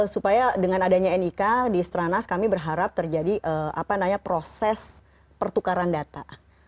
supaya dengan adanya nik di setelah nas kami berharap terjadi apa namanya proses pertukaran data